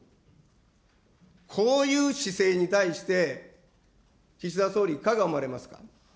こういう姿勢に対して、岸田総理、いかが思われますか。